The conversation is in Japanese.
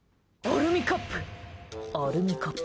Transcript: アルミカップ！